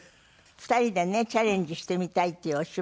２人でねチャレンジしてみたいっていうお芝居あるの？